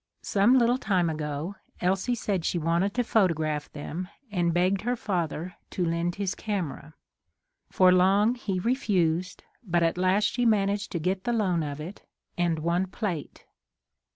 Some little time ago, Elsie said she wanted to photograph them, and begged her father to lend his camera. For long he re fused, but at last she managed to get the loan of it and one plate.